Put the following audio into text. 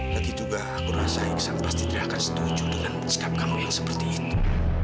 lagi juga aku rasa pasti tidak akan setuju dengan sikap kamu yang seperti itu